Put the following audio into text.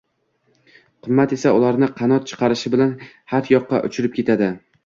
Qismat esa, ularni qanot chiqarishi bilan har yoqqa uchirib ketadi.